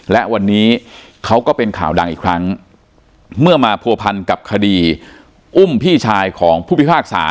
และวันนี้เขาก็เป็นข่าวดังอีกครั้งเมื่อมาผัวพันกับคดีอุ้มพี่ชายของผู้พิพากษา